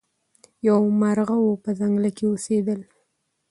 یو مرغه وو په ځنګله کي اوسېدلی